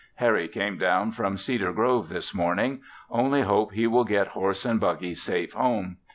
Harry came down from Cedar Grove this morning; only hope he will get horse and buggy safe home.